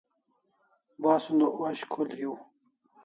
Basun o osh khul hiu